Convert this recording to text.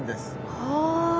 はあ。